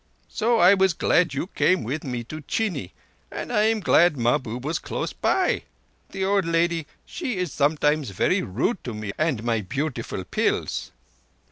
So I was glad you came with me to Chini, and I am glad Mahbub was close by. The old lady she is sometimes very rude to me and my beautiful pills."